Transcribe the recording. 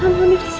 tampung di sini